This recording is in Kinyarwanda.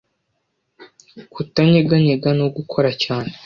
kutanyeganyega no gukora cyane